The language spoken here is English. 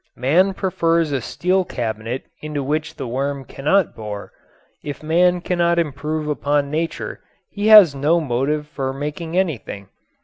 Man prefers a steel cabinet into which the worm cannot bore. If man cannot improve Upon nature he has no motive for making anything.